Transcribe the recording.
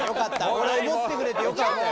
これ思ってくれてよかったよ。